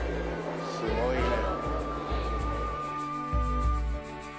すごいね。